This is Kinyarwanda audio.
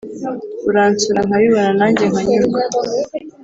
Uransura nkabibona nanjye nkanyurwa